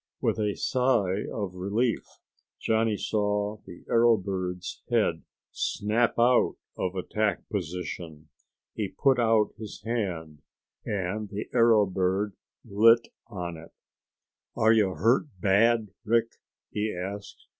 With a sigh of relief, Johnny saw the arrow bird's head snap out of attack position. He put out his hand and the arrow bird lit on it. "Are you hurt bad, Rick?" he asked.